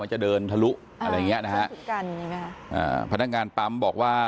มันจะเดินทะลุพฤติกันภนักงานป๊ามบอกว่า